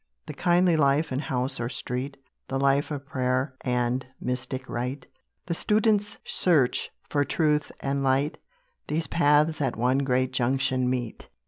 The kindly life in house or street; The life of prayer, and mystic rite; The student's search for truth and light; These paths at one great junction meet.